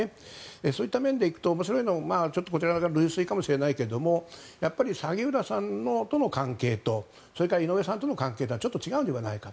そういった面で行くとこちら側の類推かもしれないけれど萩生田さんとの関係とそれから井上さんとの関係はちょっと違うのではないか。